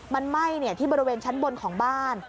มันไหม้ที่บริเวณชั้นบนของบ้าน